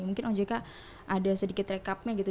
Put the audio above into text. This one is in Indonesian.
mungkin oh jika ada sedikit recapnya gitu